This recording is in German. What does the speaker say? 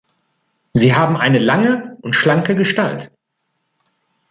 Sie haben eine lange und schlanke Gestalt.